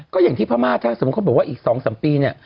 ก็อย่างที่พม่าถ้าสมมุติเขาบอกว่าอีก๒๓ปีเนี่ย